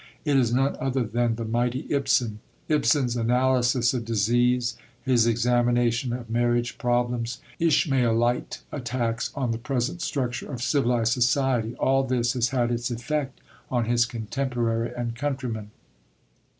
It is none other than the mighty Ibsen. Ibsen's analysis of disease, his examination of marriage problems, his Ishmaelite attacks on the present structure of civilised society all this has had its effect on his contemporary and countryman.